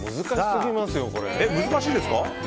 難しいですか。